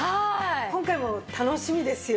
今回も楽しみですよ。